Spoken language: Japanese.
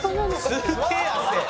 「すげえ汗！」